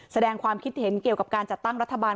แสดงความคิดเห็นเกี่ยวกับการจัดตั้งรัฐบาล